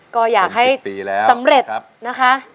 ก็อยากให้สำเร็จนะคะ